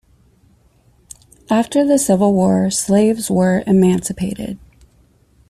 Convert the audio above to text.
After the Civil War, slaves were emancipated.